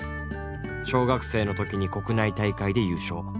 小学生の時に国内大会で優勝。